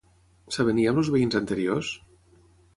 S'avenia amb els veïns anteriors?